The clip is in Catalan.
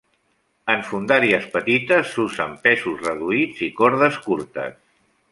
En fondàries petites s’usen pesos reduïts i cordes curtes.